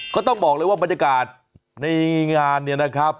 ก็ต้องบอกเลยว่าบรรยากาศในงานเนี่ยนะครับ